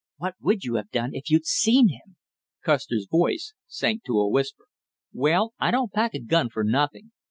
"What would you have done if you'd seen him?" Custer's voice sank to a whisper. "Well, I don't pack a gun for nothing.